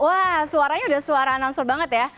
wah suaranya udah suara ansor banget ya